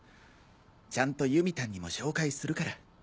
ちゃんと由美タンにも紹介するから。